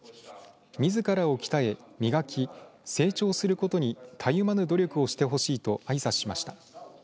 みずからを鍛え、磨き成長することにたゆまぬ努力をしてほしいとあいさつしました。